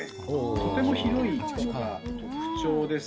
とても広いのが特徴です。